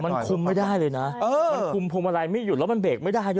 มันคุมไม่ได้เลยนะมันคุมพวงมาลัยไม่หยุดแล้วมันเบรกไม่ได้ด้วย